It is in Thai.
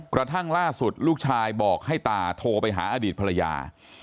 กระทั่งล่าสุดลูกชายบอกให้ตาโทรไปหาอดีตภรรยา